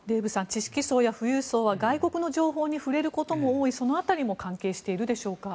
知識層や富裕層は外国の情報に触れることも多いその辺りも関係しているでしょうか。